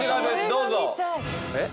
どうぞ。えっ？